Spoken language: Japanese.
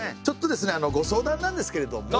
ちょっとですねご相談なんですけれども。